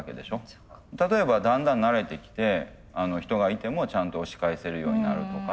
例えばだんだん慣れてきて人がいてもちゃんと押し返せるようになるとか。